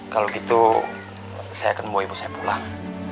kalau gitu saya akan membawa ibu saya pulang